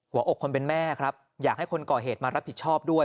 หัวอกคนเป็นแม่ครับอยากให้คนก่อเหตุมารับผิดชอบด้วย